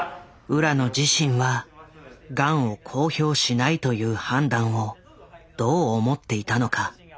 浦野自身はガンを公表しないという判断をどう思っていたのか。